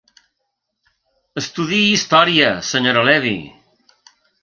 Estudiï història, senyora Levy.